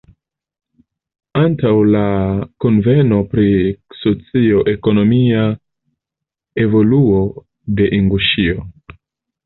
Antaŭ la kunveno pri socio-ekonomia evoluo de Inguŝio.